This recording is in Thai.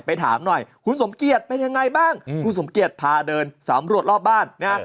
ถามหน่อยคุณสมเกียจเป็นยังไงบ้างคุณสมเกียจพาเดินสำรวจรอบบ้านนะ